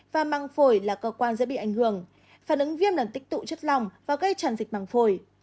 và măng phổi là cơ quan dễ bị ảnh hưởng phản ứng viêm ẩn tích tụ chất lỏng và gây tràn dịch măng phổi